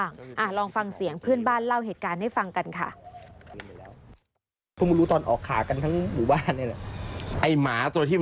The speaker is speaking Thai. มีย่าเขามารับไปแล้ว